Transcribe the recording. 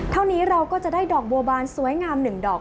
เท่านี้เราก็จะได้ดอกบัวบานสวยงาม๑ดอก